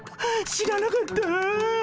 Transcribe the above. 知らなかった。